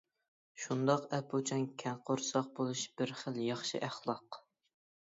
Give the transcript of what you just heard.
شۇنداق ئەپۇچان، كەڭ قورساق بولۇش بىر خىل ياخشى ئەخلاق.